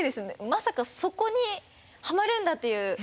まさかそこにハマるんだっていう。